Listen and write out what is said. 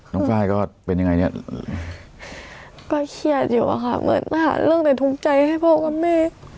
ไฟล์ก็เป็นยังไงเนี่ยก็เครียดอยู่อะค่ะเหมือนหาเรื่องในทุกข์ใจให้พ่อกับแม่